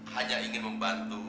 hanya ingin membantu